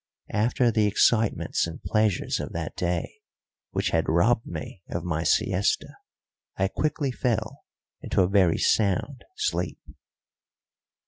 After the excitements and pleasures of that day, which had robbed me of my siesta, I quickly fell into a very sound sleep.